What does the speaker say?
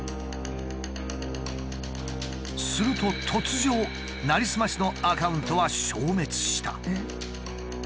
すると突如なりすましのアカウントは消滅した。